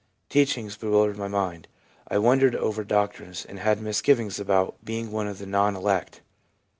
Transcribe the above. Teachings bewildered my mind ; I worried over doctrines, and had misgivings about being one of the non elect.